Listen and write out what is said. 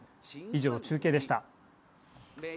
以上、中継でした。